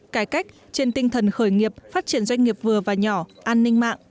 cải cách trên tinh thần khởi nghiệp phát triển doanh nghiệp vừa và nhỏ an ninh mạng